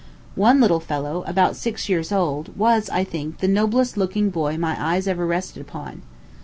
One little fellow, about six years old, was, I think, the noblest looking boy my eyes ever rested upon.